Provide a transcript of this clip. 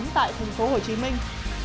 tại thành phố hồ chí minh